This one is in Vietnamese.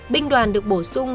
binh đoàn được bổ sung